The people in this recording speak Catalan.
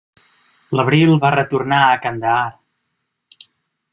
L'abril va retornar a Kandahar.